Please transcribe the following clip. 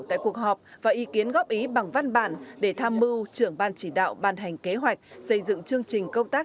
tại cuộc họp và ý kiến góp ý bằng văn bản để tham mưu trưởng ban chỉ đạo ban hành kế hoạch xây dựng chương trình công tác